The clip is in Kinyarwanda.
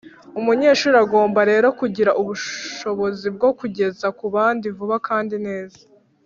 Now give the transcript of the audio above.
Umunyeshuri agomba rero kugira ubushobozi bwo kugeza ku bandi vuba kandi neza